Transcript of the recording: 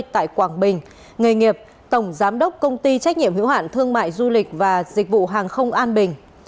tại quảng bình nghề nghiệp tổng giám đốc công ty trách nhiệm hữu hạn thương mại du lịch và dịch vụ hàng không an bình